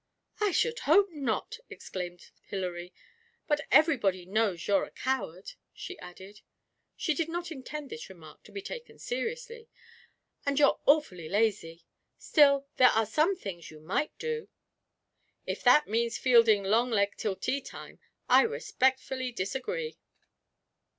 'I should hope not!' exclaimed Hilary; 'but everybody knows you're a coward,' she added (she did not intend this remark to be taken seriously), 'and you're awfully lazy. Still, there are some things you might do!' 'If that means fielding long leg till tea time, I respectfully disagree.